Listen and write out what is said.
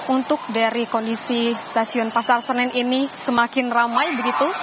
untuk dari kondisi stasiun pasar senen ini semakin ramai begitu